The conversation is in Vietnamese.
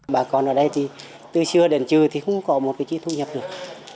bà con ở đây thì từ trưa đến trưa thì không có một cái chữ thu nhập được